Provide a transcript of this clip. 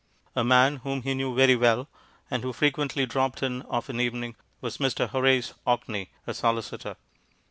A man whom he knew very well, and who fre quently dropped in of an evening, was Mr. Hor ace Orkney, a solicitor.